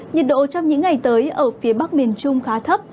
nhiệt độ trong những ngày tới ở phía bắc miền trung khá thấp